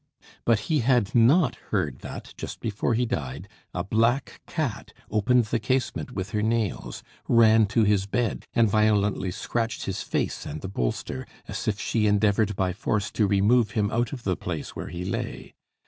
But he had not heard that, just before he died, a black cat "opened the casement with her nails, ran to his bed, and violently scratched his face and the bolster, as if she endeavoured by force to remove him out of the place where he lay.